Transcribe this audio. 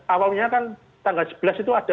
awalnya kan tanggal sebelas itu ada